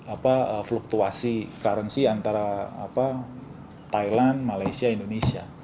apa fluktuasi currency antara thailand malaysia indonesia